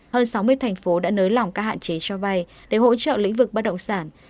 hơn sáu mươi thành phố đã nới lỏng các hạn chế cho vay để hỗ trợ lĩnh vực bất động sản